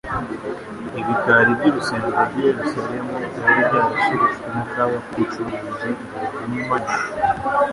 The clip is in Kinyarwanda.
Ibikari by'urusengero rw'i Yerusaiemu byari byarashegeshwe n'akaga k'ubucuruzi buhumanye,